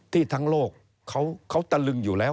ทั้งโลกเขาตะลึงอยู่แล้ว